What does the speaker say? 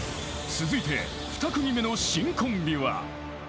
［続いて２組目の新コンビは］